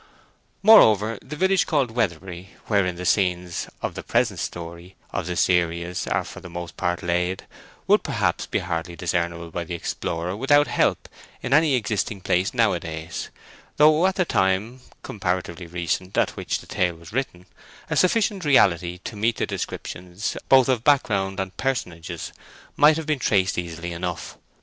Moreover, the village called Weatherbury, wherein the scenes of the present story of the series are for the most part laid, would perhaps be hardly discernible by the explorer, without help, in any existing place nowadays; though at the time, comparatively recent, at which the tale was written, a sufficient reality to meet the descriptions, both of backgrounds and personages, might have been traced easily enough.